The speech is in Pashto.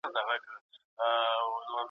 ما ستا د پښتو خط په اړه یو سمون وکړی.